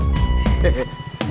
udah nyala nih man